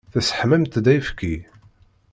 Tesseḥmamt-d ayefki?